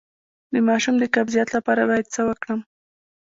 د ماشوم د قبضیت لپاره باید څه وکړم؟